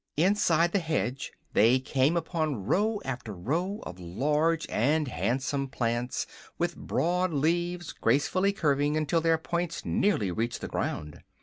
Inside the hedge they came upon row after row of large and handsome plants with broad leaves gracefully curving until their points nearly reached the ground.